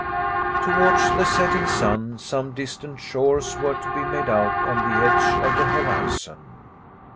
Towards the setting sun, some distant shores were to be made out on the edge of the horizon.